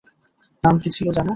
নাম কী ছিলো যেন?